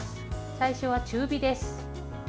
最初は中火です。